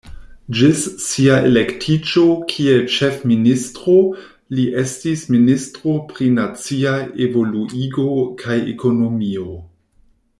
Ĝis sia elektiĝo kiel ĉefministro li estis ministro pri nacia evoluigo kaj ekonomio.